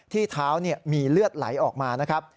ที่เท้ามีเลือดไหลออกมานะครับ